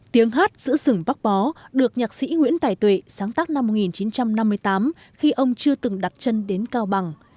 tiếng hát giữa rừng bắc bó được nhạc sĩ nguyễn tài tuệ sáng tác năm một nghìn chín trăm năm mươi tám khi ông chưa từng đặt chân đến cao bằng